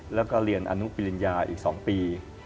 แล้วก็เรียนอนุปริญญาอีก๒ปี